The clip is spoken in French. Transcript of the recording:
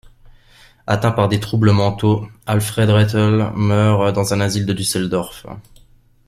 Atteint par des troubles mentaux Alfred Rethel meurt dans un asile de Düsseldorff.